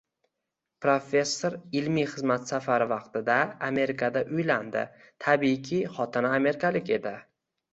Professor ilmiy xizmat safari vaqtida Amerikada uylandi, tabiiyki, xotini amerikalik edi